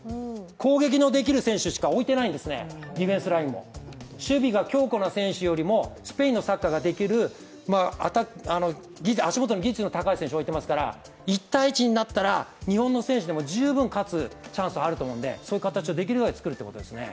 攻撃のできる選手しか置いていないんですね、ディフェンスラインも守備が強固な選手よりもスペインのサッカーができる、足下の技術の高い選手おいてますから、１対１になったら日本の選手でも十分勝つチャンスがあると思うのでそういう形をできるだけ作るということですね。